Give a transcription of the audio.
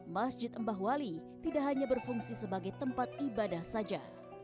masjid mbah wali tidak hanya berfungsi sebagai tempat ibadah saja